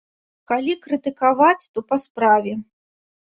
Калі крытыкаваць, то па справе.